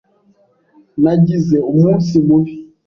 Nagize umunsi mubi.